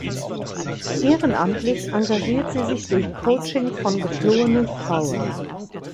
Ehrenamtlich engagiert sie sich durch Coaching von geflohenen Frauen.